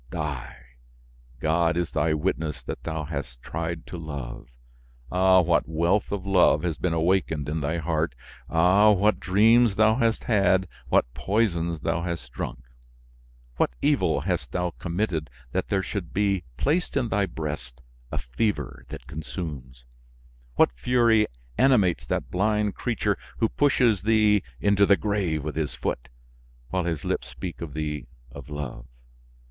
Die! God is thy witness that thou hast tried to love. Ah! what wealth of love has been awakened in thy heart! Ah! what dreams thou hast had, what poisons thou hast drunk! What evil hast thou committed that there should be placed in thy breast a fever that consumes? What fury animates that blind creature who pushes thee into the grave with his foot, while his lips speak to thee of love?